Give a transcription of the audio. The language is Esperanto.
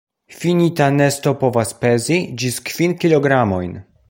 Finita nesto povas pezi ĝis kvin kilogramojn..